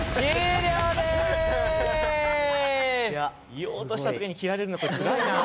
言おうとした時に切られるのこれつらいなあ。